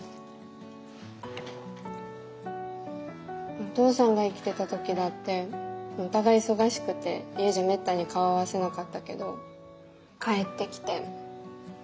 お父さんが生きてた時だってお互い忙しくて家じゃめったに顔合わせなかったけど帰ってきて玄関に入るとね